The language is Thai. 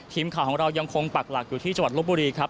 ทีมข่าวของเรายังคงปักหลักอยู่ที่จังหวัดลบบุรีครับ